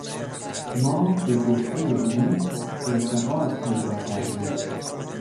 ما به گفتهٔ او اعتقاد پیدا کردیم.